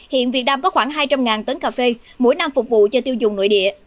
hiện việt nam có khoảng hai trăm linh tấn cà phê mỗi năm phục vụ cho tiêu dùng nội địa